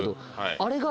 あれが。